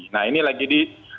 nah ini lagi di